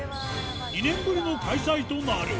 ２年ぶりの開催となる。